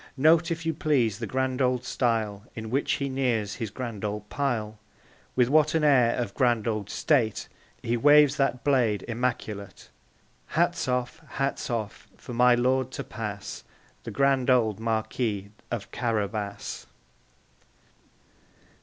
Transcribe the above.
Note, if you please, the grand old style In which he nears his grand old pile; With what an air of grand old state He waves that blade immaculate! Hats off, hats off, for my lord to pass, The grand old Marquis of Carabas!